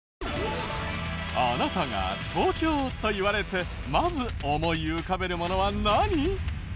あなたが「東京」といわれてまず思い浮かべるものは何？